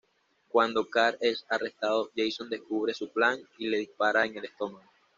Cuando Carl es arrestado Jason descubre su plan y le dispara en el estómago.